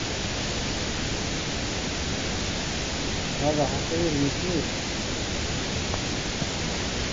هذا حقا مثير